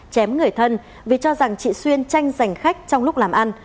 chém người thân vì cho rằng chị xuyên tranh giành khách trong lúc làm ăn